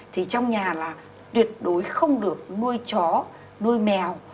thì trong nhà là tuyệt đối không được nuôi chó nuôi mèo